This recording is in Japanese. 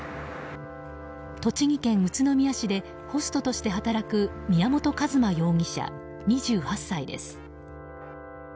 栃木県宇都宮市でホストとして働く宮本一馬容疑者、２８歳です。